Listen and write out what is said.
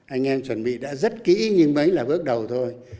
anh em chuẩn bị đã rất kỹ nhưng mới là bước đầu thôi